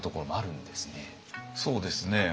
そうですね。